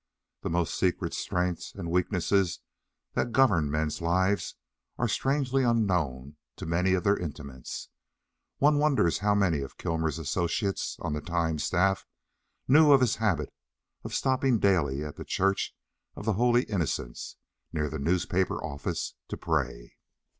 The most secret strengths and weaknesses that govern men's lives are strangely unknown to many of their intimates: one wonders how many of Kilmer's associates on the Times staff knew of his habit of stopping daily at the Church of the Holy Innocents, near the newspaper office, to pray.